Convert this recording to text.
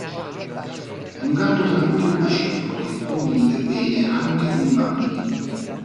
È un gatto tranquillo e pacifico che convive bene anche con i bambini.